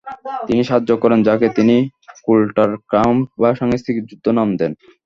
তিনি সাহায্য করেন, যাকে তিনি "কুলটুরকাম্ফ" বা সাংস্কৃতিক যুদ্ধ নাম দেন।